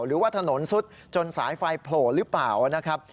หรือว่าถนนซุดจนสายไฟโผล่หรือเปล่านะครับ